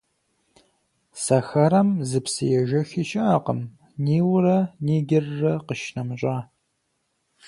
Сахарэм зы псыежэхи щыӏэкъым, Нилрэ Нигеррэ къищынэмыщӏа.